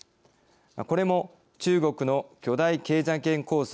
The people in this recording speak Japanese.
これも、中国の巨大経済圏構想